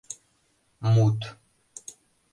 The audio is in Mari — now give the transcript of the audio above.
Мут...